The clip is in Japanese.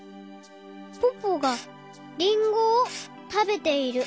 ポポがりんごをたべている。